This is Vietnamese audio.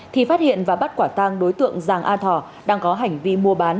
thì phát hiện và bắt quả tang đối tượng giàng a thỏ đang có hành vi mua bán